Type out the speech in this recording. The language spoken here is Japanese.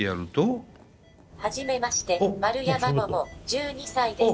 「はじめまして丸山もも１２歳です」。